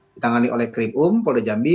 ditangani oleh krim um polda jambi